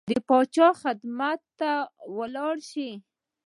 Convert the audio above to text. د پاچاهۍ خدمت ته ولاړ شي.